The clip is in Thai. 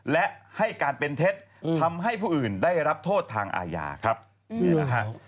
และให้การเป็นเท็จทำให้ผู้อื่นได้รับโทษทางอาญาครับนี่แหละฮะ